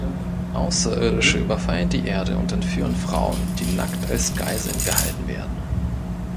Außerirdische überfallen die Erde und entführen Frauen, die nackt als Geiseln gehalten werden.